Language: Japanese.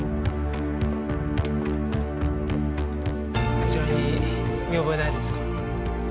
こちらに見覚えないですか？